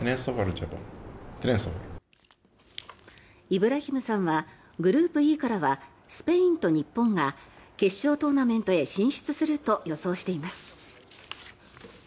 イブラヒムさんはグループＥからはスペインと日本が決勝トーナメントへ進出すると予想しています。